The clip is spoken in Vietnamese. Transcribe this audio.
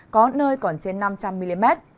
có nơi còn trên năm trăm linh mm